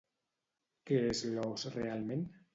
Què és l'os realment?